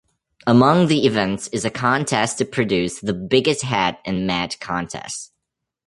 Among the events is a contest to produce the biggest hat and mat contest.